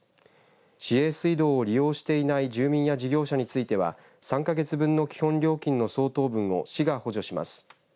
市営水道を利用していない住民や事業者については３か月分の基本料金の相当分を市が補助します。